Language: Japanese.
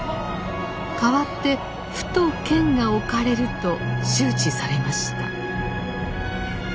かわって府と県が置かれると周知されました。